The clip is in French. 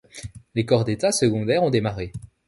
Les corps d'état secondaires ont démarré.